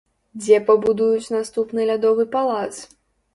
Дзе пабудуюць наступны лядовы палац?